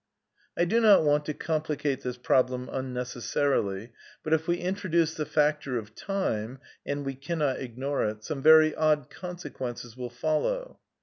I do not want to complicate this problem unnecessarily, but if we introduce the factor of time — and we cannot ignore it — some very odd consequences will follow.